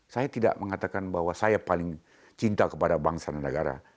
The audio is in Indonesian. saya tidak mengatakan bahwa saya paling cinta kepada bangsa dan negara